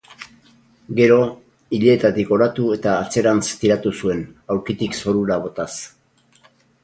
Gero, ileetatik oratu eta atzerantz tiratu zuen, aulkitik zorura botaz.